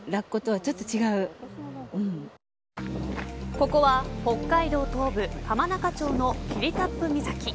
ここは北海道東部浜中町の霧多布岬。